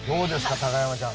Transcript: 高山ちゃん。